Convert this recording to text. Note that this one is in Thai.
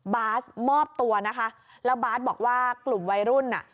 บาสมอบตัวนะคะแล้วบาสบอกว่ากลุ่มวัยรุ่นอ่ะ